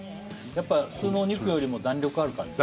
やっぱ普通のお肉よりも弾力ある感じ？